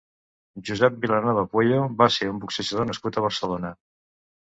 Josep Vilanova Pueyo va ser un boxejador nascut a Barcelona.